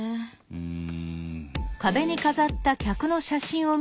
うん。